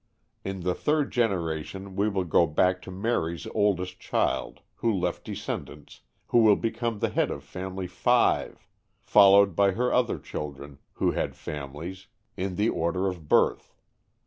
In the third generation we will go back to Mary's oldest child, who left descendants, who will become the head of Family 5, followed by her other children, who had families, in the order of birth.